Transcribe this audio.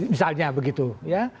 misalnya begitu ya